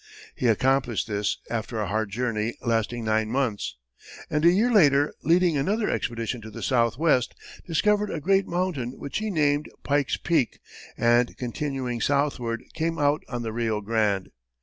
He accomplished this, after a hard journey lasting nine months; and, a year later, leading another expedition to the southwest, discovered a great mountain which he named Pike's Peak, and, continuing southward, came out on the Rio Grande.